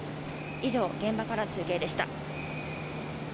以上、現場から中継でした。